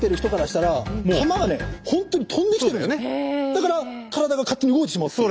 だから体が勝手に動いてしまうという。